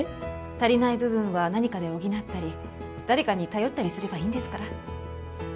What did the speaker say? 足りない部分は何かで補ったり誰かに頼ったりすればいいんですから。